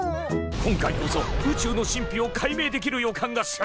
今回こそ宇宙の神秘を解明できる予感がする！